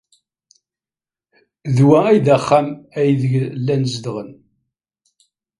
D wa ay d axxam aydeg llan zedɣen.